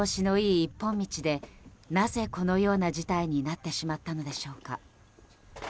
１本道でなぜこのような事態になってしまったんでしょうか。